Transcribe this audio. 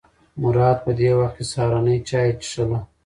مراد په دې وخت کې سهارنۍ چای څښله.